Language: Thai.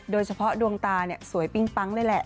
โดยเฉพาะดวงตาเนี่ยสวยปิ้งปั๊งเลยแหละ